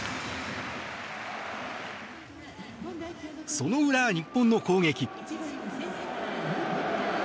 その裏、日本の攻撃。